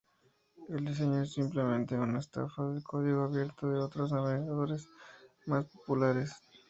El diseño es simplemente una estafa del código abierto de otros navegadores, más populares.